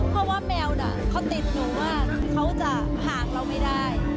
เพราะว่าแมวน่ะเขาติดหนูว่าเขาจะห่างเราไม่ได้